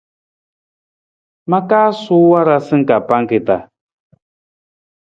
Ma kaa suwii warasa ka pangki ta.